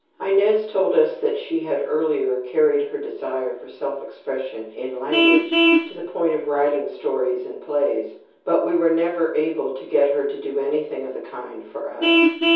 Inez told us that she had earlier carried her desire for self expression in language to the point of writing stories and plays, but we were never able to get her to do anything of the kind for us.